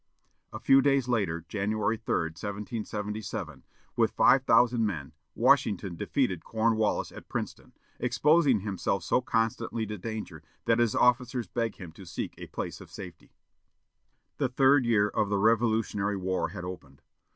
A few days later, January 3, 1777, with five thousand men, Washington defeated Cornwallis at Princeton, exposing himself so constantly to danger that his officers begged him to seek a place of safety. The third year of the Revolutionary War had opened.